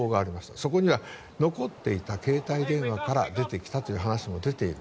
そこには残っていた携帯電話から出てきたという話も出ている。